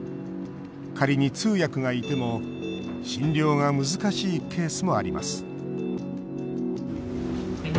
仮に通訳がいても診療が難しいケースもあります